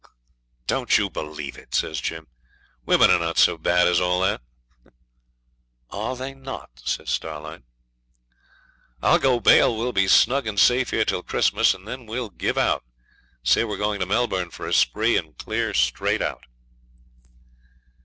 'Don't you believe it,' says Jim; 'women are not so bad as all that.' ['Are they not?' says Starlight.) 'I'll go bail we'll be snug and safe here till Christmas, and then we'll give out, say we're going to Melbourne for a spree, and clear straight out.'